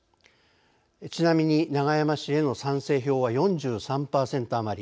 ちなみに永山氏への賛成票は４３％余り。